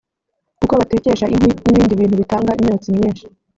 kuko batekesha inkwi n’ibindi bintu bitanga imyotsi myinshi